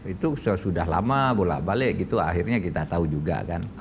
itu sudah lama bolak balik gitu akhirnya kita tahu juga kan